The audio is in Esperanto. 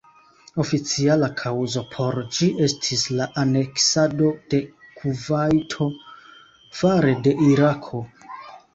Oficiala kaŭzo por ĝi estis la aneksado de Kuvajto fare de Irako.